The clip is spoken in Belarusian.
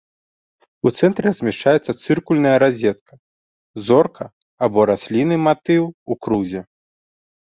У цэнтры размяшчаецца цыркульная разетка, зорка або раслінны матыў у крузе.